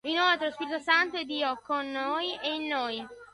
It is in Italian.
Inoltre, lo Spirito Santo è Dio con noi e in noi.